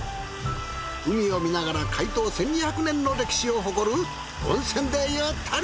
海を見ながら開湯１，２００年の歴史を誇る温泉でゆったりです。